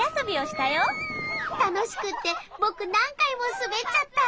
楽しくって僕何回も滑っちゃった。